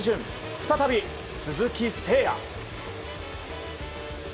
再び鈴木誠也。